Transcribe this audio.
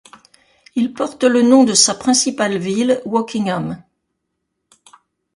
Il porte le nom de sa principale ville, Wokingham.